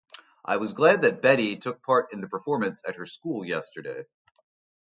I was glad that Betty took part in the performance at her school yesterday.